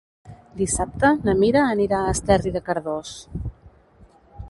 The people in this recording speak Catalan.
Dissabte na Mira anirà a Esterri de Cardós.